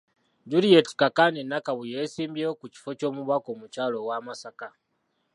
Juliet Kakande Nakabuye yeesimbyewo ku kifo ky'omubaka omukyala owa Masaka.